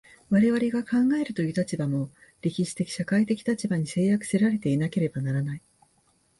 我々が考えるという立場も、歴史的社会的立場に制約せられていなければならない。